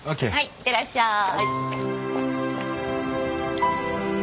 いってらっしゃーい。